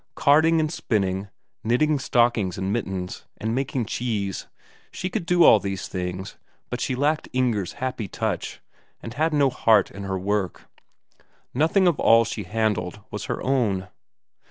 Carding and spinning, knitting stockings and mittens, and making cheese she could do all these things, but she lacked Inger's happy touch, and had no heart in her work; nothing of all she handled was her own.